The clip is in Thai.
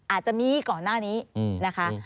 อาจจะมีก่อนหน้านี้นะคะ